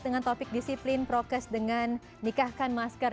dengan topik disiplin prokes dengan nikahkan masker